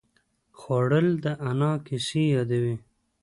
خوړل د انا کیسې یادوي